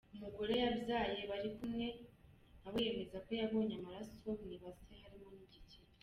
Umugore yabyaye bari kumwe nawe yemeza ko yabonye amaraso mu ibase harimo n’igikeri.